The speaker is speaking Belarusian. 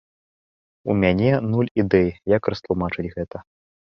У мяне нуль ідэй, як растлумачыць гэта.